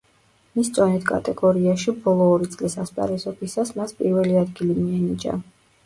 მის წონით კატეგორიაში ბოლო ორი წლის ასპარეზობისას მას პირველი ადგილი მიენიჭა.